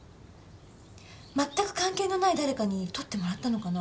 まったく関係のない誰かに撮ってもらったのかな？